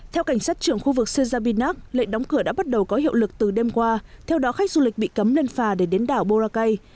theo cảnh sát trưởng khu vực sezabinnak lệnh đóng cửa đã bắt đầu có hiệu lực từ đêm qua theo đó khách du lịch bị cấm lên phà để đến đảo boracay